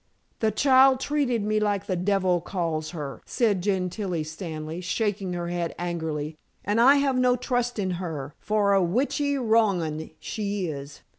"The child treated me like the devil's calls her," said Gentilla Stanley, shaking her head angrily. "And I have no trust in her, for a witchly wrong 'un she is.